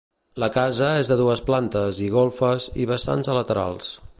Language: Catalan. La casa és de dues plantes i golfes i vessants a laterals.